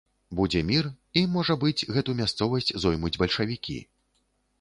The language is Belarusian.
Будзе мір, і, можа быць, гэту мясцовасць зоймуць бальшавікі.